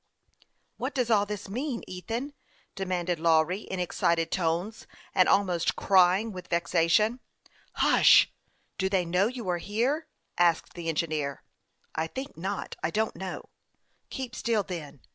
" What does all this mean, Ethan ?" demanded Lawry, in excited tones, and almost crying with vexation. " Hush ! Do they know you are here ?" asked the engineer. " I think not ; I don't know." " Keep still, then.